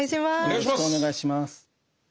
よろしくお願いします。